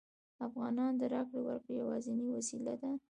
افغانۍ د راکړې ورکړې یوازینۍ وسیله ده